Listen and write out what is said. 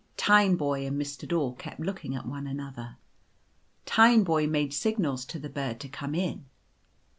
Tineboy and Mr. Daw kept looking at one an other. Tineboy made signals to the bird to come in.